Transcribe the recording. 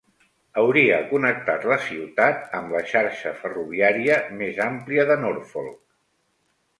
Hauria connectat la ciutat amb la xarxa ferroviària més àmplia de Norfolk.